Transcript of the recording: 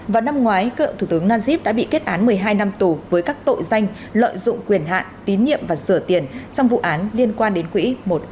vào năm ngoái cựu thủ tướng najib đã bị kết án một mươi hai năm tù với các tội danh lợi dụng quyền hạn tín nhiệm và rửa tiền trong vụ án liên quan đến quỹ một mdb